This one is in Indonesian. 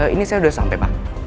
ini saya sudah sampai pak